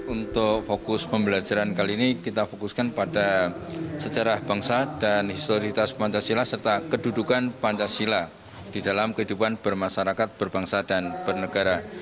untuk fokus pembelajaran kali ini kita fokuskan pada sejarah bangsa dan historitas pancasila serta kedudukan pancasila di dalam kehidupan bermasyarakat berbangsa dan bernegara